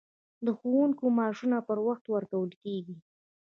د ښوونکو معاشونه پر وخت ورکول کیږي؟